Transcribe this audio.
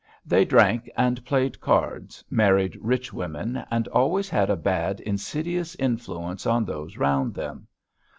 They drank and played cards, married rich women, and always had a bad, insidious influence on those round them.